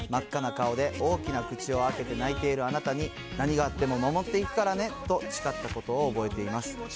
真っ赤な顔で大きな口を開けて泣いているあなたに、何があっても守っていくからねと誓ったことを覚えています。